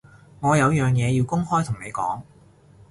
我有樣嘢要公開同你講